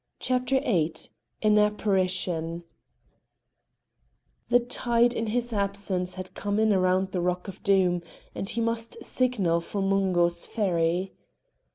CHAPTER VIII AN APPARITION The tide in his absence had come in around the rock of Doom, and he must signal for Mungo's ferry.